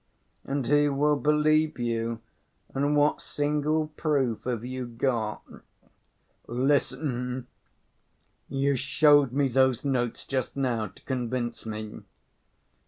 And who will believe you, and what single proof have you got?" "Listen, you showed me those notes just now to convince me."